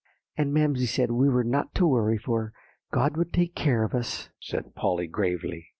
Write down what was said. "And Mamsie said we were not to worry, for God would take care of us," said Polly gravely.